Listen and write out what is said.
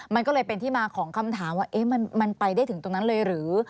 มันก็เลยเป็นที่มาของคำถามว่ามันไปได้ถึงตรงนั้นเลยหรือ